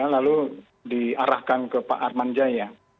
lalu diarahkan ke pak arman jaya